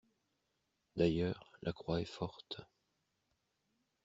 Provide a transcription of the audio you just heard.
D'ailleurs, la Croix est forte.